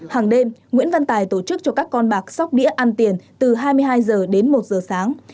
hàng đêm nguyễn văn tài tổ chức cho các con bạc sóc đĩa ăn tiền từ hai mươi hai h đến một giờ sáng